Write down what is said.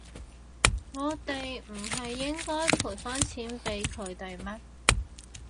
我哋唔係應該賠返錢畀佢哋咩？